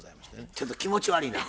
ちょっと気持ち悪いなぁ。